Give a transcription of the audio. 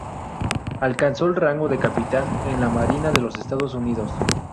Alcanzó el rango de Capitán en la Marina de los Estados Unidos.